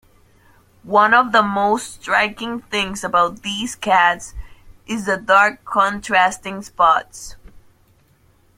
One of the most striking things about these cats is the dark contrasting spots.